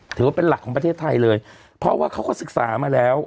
ถือว่าเป็นหลักของประเทศไทยเลยเพราะว่าเขาก็ศึกษามาแล้ว